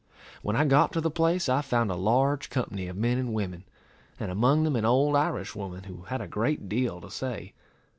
When I got to the place, I found a large company of men and women, and among them an old Irish woman, who had a great deal to say.